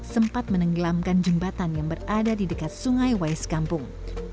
sempat menenggelamkan jembatan yang berada di dekat sungai wais kampung